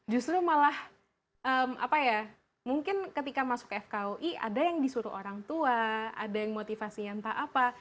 justru malah apa ya mungkin ketika masuk fkui ada yang disuruh orang tua ada yang motivasi yang entah apa